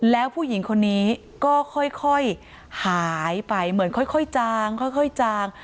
แล้วผู้หญิงคนนี้ก็ค่อยหายไปเหมือนค่อยจางค่อยจาง